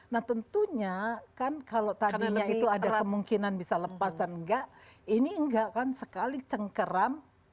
nah tentunya kan kalau tadinya itu ada kemungkinan bisa lepas dan enggak ini enggak kan sekali cengkeram